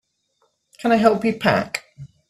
Can I help you pack?